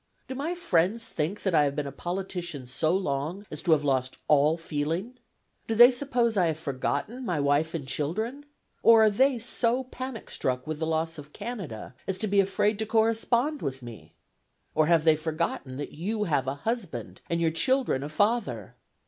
Do my friends think that I have been a politician so long as to have lost all feeling? Do they suppose I have forgotten my wife and children? Or are they so panic struck with the loss of Canada as to be afraid to correspond with me? Or have they forgotten that you have a husband, and your children a father?